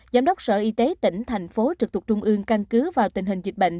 giám đốc sở y tế tỉnh thành phố trực thuộc trung ương căn cứ vào tình hình dịch bệnh